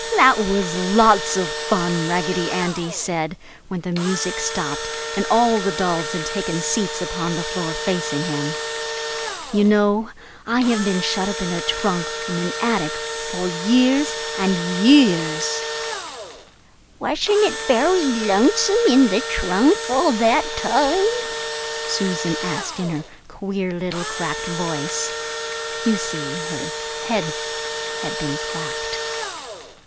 "That was lots of fun!" Raggedy Andy said, when the music stopped and all the dolls had taken seats upon the floor facing him. "You know I have been shut up in a trunk up in an attic for years and years and years." "Wasn't it very lonesome in the trunk all that time?" Susan asked in her queer little cracked voice. You see, her head had been cracked.